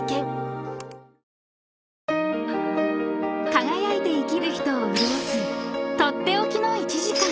［輝いて生きる人を潤す取って置きの１時間］